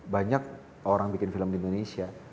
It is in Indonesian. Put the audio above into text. banyak orang bikin film di indonesia